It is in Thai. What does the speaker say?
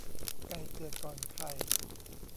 ไก่เกิดก่อนไข่